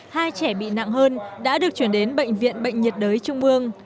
hai trẻ bị nặng hơn đã được chuyển đến bệnh viện bệnh nhiệt đới trung ương